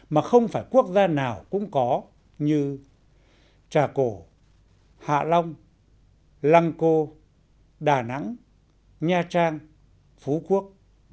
mà không phải quốc gia nào cũng có như trà cổ hạ long lăng cô đà nẵng nha trang phú quốc